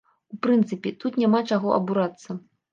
У прынцыпе, тут няма чаго абурацца.